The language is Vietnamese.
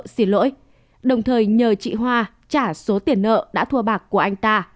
xin lỗi đồng thời nhờ chị hoa trả số tiền nợ đã thua bạc của anh ta